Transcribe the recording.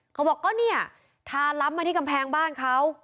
เขาบอกก็เนี่ยทาล้ำมาที่กำแพงบ้านเขา